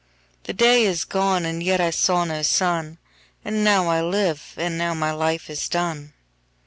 5The day is gone and yet I saw no sun,6And now I live, and now my life is done.